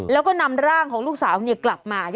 แล้วก็นำร่างของลูกสาวกลับมา